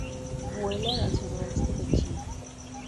Vuela en el Suroeste de China.